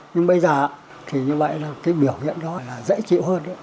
nhưng bây giờ thì như vậy là cái biểu hiện đó là dễ chịu hơn